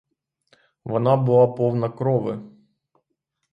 Вона була повна крови.